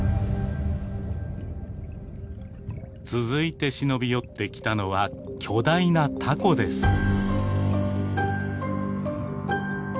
続いて忍び寄ってきたのは巨大なタコです。